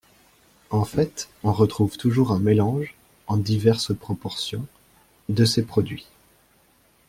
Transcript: En fait, on retrouve toujours un mélange, en diverses proportions, de ces produits.